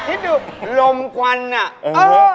ชิคกี้พายคิดดูลมกวันน่ะเออ